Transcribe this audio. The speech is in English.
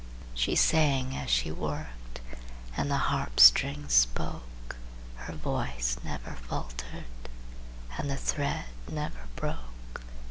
She sang as she worked, And the harp strings spoke; Her voice never faltered, And the thread never broke.